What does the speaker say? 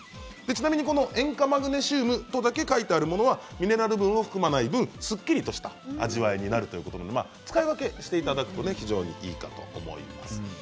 ちなみに、この塩化マグネシウムとだけ書かれているものはミネラル分を含まない分すっきりとした味わいになるということで使い分けしていただけると非常にいいかと思います。